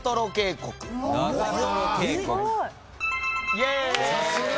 イェーイ！